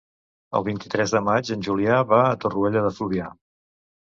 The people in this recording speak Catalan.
El vint-i-tres de maig en Julià va a Torroella de Fluvià.